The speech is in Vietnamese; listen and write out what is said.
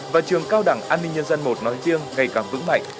và trường cao đẳng an ninh nhân dân i nói riêng ngày càng vững mạnh